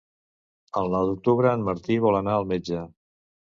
El nou d'octubre en Martí vol anar al metge.